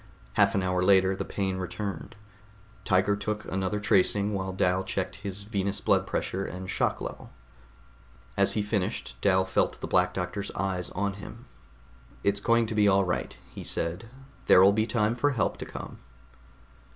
Half an hour later the pain returned; Tiger took another tracing while Dal checked his venous pressure and shock level. As he finished, Dal felt the Black Doctor's eyes on him. "It's going to be all right," he said. "There'll be time for help to come."